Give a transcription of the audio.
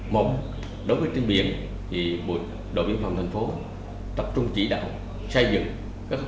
một đối với trên biển thì bộ chí viên phòng tp đà nẵng tập trung chỉ đạo xây dựng các tổ chức